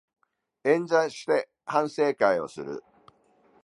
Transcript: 円座して反省会をする